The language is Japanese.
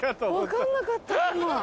分かんなかった今。